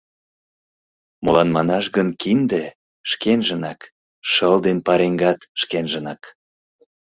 Молан манаш гын кинде — шкенжынак, шыл ден пареҥгат — шкенжынак.